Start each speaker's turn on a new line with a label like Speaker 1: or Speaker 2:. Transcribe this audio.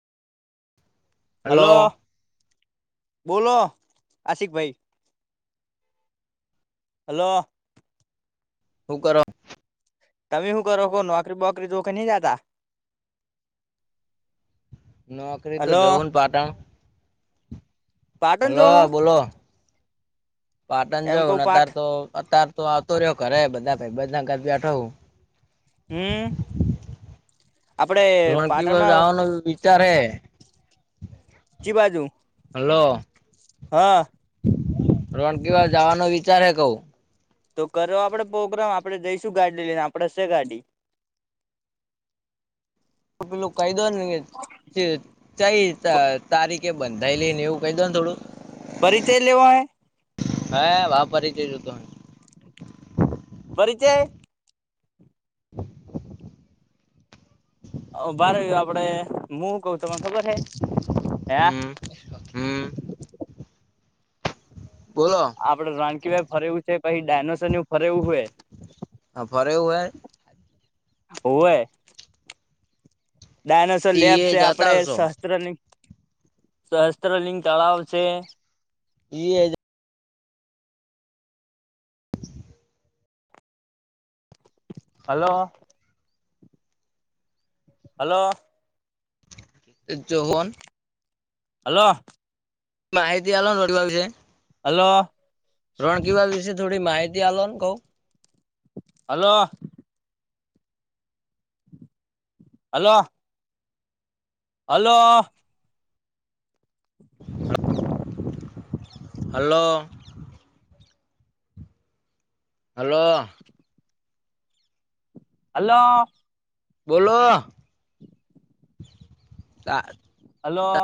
Speaker 1: હાલો
Speaker 2: hello
Speaker 1: બોલો આશિક ભાઈ hello.
Speaker 2: હુ કરો?
Speaker 1: તમે હુ કરો કો? નોકરી-બોકરી [unintelligible] ની જતા?
Speaker 2: નોકરી તો
Speaker 1: હલો
Speaker 2: જવાનું પાટણ
Speaker 1: પાટણ જો
Speaker 2: હાલો બોલો પાટણ
Speaker 1: એમ કઉ
Speaker 2: જાઉં ને
Speaker 1: પાઠ
Speaker 2: અત્યારે તો અત્યાર તો આવતો રહ્યો ઘરે બધા ભાઈના ઘરે બેઠો હુ
Speaker 1: હમ્મ આપડે પાટણમાં
Speaker 2: ચારે
Speaker 1: ચી બાજુ
Speaker 2: હાલો
Speaker 1: હા
Speaker 2: રોણકી વાવ જાવાનો વિચાર હે કઉ
Speaker 1: તો કરો આપડે પોગ્રામ આપડે જઈશું ગાડી લઈને આપડે સે ગાડી
Speaker 2: પેલુ કહી દોને કે ચે ચઈ ત તારીખે બંધાઈલી નેવું કહી દોને થોડું
Speaker 1: પરિચય લેવો હે
Speaker 2: હે વા પરીચય જોતો હે
Speaker 1: પરિચય
Speaker 2: [inaudible]
Speaker 1: ઊભારો આપડે મુ હું કઉ તમન ખબર હે [unintelligible]
Speaker 2: હમ્મ. બોલો
Speaker 1: આપડે રાણકીવાવ ફરે એવું છે, પહિ ડાયનોસોરને એવું ફરે એવું હે
Speaker 2: હ ફરેવું હે
Speaker 1: હોવે ડાયનોસોર
Speaker 2: હે ઈ
Speaker 1: લેબ
Speaker 2: એ
Speaker 1: છે,
Speaker 2: જતા
Speaker 1: આપડે
Speaker 2: આવશો
Speaker 1: શહસ્ત્રલિં સહસ્ત્રલિંગ તળાવ છે.
Speaker 2: ઈયે જ
Speaker 1: હાલો. હાલો.
Speaker 2: [inaudible]
Speaker 1: હાલો.
Speaker 2: માહિતી આલોન [unintelligible] શે
Speaker 1: હાલો.
Speaker 2: રોણકીવાવ વિશે થોડી માહિતી આલોન કઉ
Speaker 1: hello. Hello hello
Speaker 2: hello hello
Speaker 1: hello
Speaker 2: બોલો તાર
Speaker 1: હલો